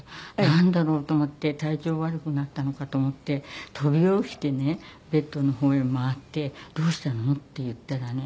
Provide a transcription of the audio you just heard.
なんだろう？と思って体調悪くなったのかと思って飛び起きてねベッドの方へ回って「どうしたの？」って言ったらね